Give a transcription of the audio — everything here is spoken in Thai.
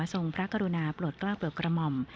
ทรงพระกรุณาปลดกล้าปลดกระหม่อม